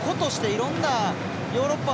いろんなヨーロッパ